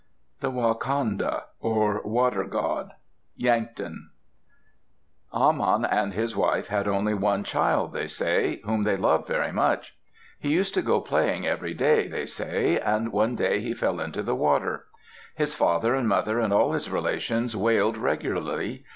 THE WAKANDA, OR WATER GOD Yankton A man and his wife had only one child, they say, whom they loved very much. He used to go playing every day, they say; and one day he fell into the water. His father and mother and all his relations wailed regularly.